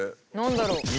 何だろう？